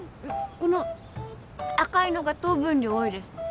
この赤いのが糖分量多いです。